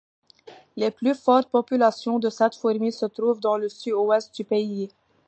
Les plus fortes populations de cette fourmi se trouvent dans le sud-ouest du pays.